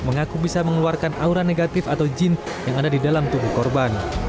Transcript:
mengaku bisa mengeluarkan aura negatif atau jin yang ada di dalam tubuh korban